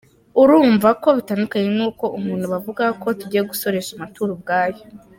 urumva ko bitandukanye n’uko abantu bavugaga ko tugiye gusoresha amaturo ubwayo.